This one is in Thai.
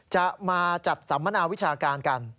จะมาจัดสัมมนาวิชาการกัน